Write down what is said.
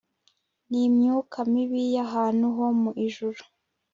nimyuka mibi yahantu ho mu ijuru